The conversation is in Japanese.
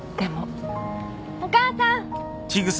・お母さん！